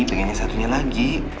pengennya satunya lagi